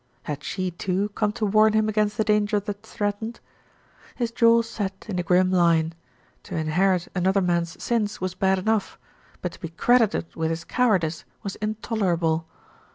Had she too come to warn him against the danger that threatened? His jaw set in a grim line. To inherit another man's sins was bad enough; but to be credited with his cowardice was intolerable.